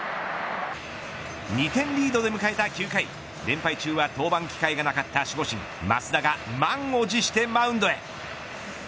２点リードで迎えた９回連敗中は登板機会がなかった守護神、益田が満を持してマウンドへ。